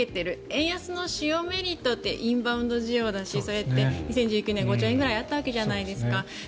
円安の主要メリットってインバウンド需要だしそれって２０１９年５兆円ぐらいあったわけじゃないですか。